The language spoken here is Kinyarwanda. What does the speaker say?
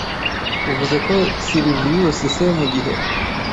Uvuze ko Silvius se mugihe